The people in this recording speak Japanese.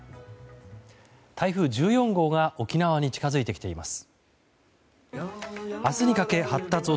台風１４号が沖縄に近づいてきています。